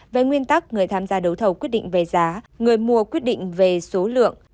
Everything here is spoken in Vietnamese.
về nguyên tắc người tham gia đấu thầu quyết định về giá người mua quyết định về số lượng